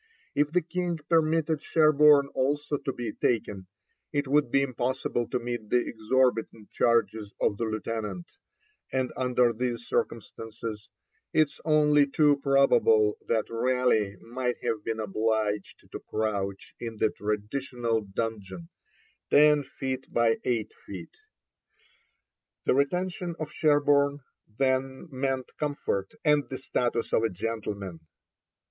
If the King permitted Sherborne also to be taken, it would be impossible to meet the exorbitant charges of the Lieutenant, and under these circumstances it is only too probable that Raleigh might have been obliged to crouch in the traditional dungeon ten feet by eight feet. The retention of Sherborne, then, meant comfort and the status of a gentleman.